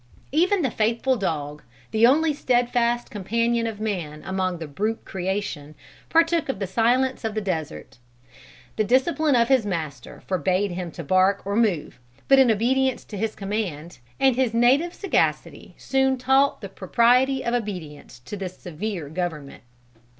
Even the faithful dog, the only steadfast companion of man among the brute creation, partook of the silence of the desert; the discipline of his master forbade him to bark or move but in obedience to his command, and his native sagacity soon taught the propriety of obedience to this severe government.